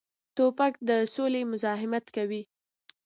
توپک د سولې مزاحمت کوي.